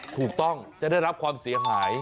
ถูกต้องจะได้รับความเสียหาย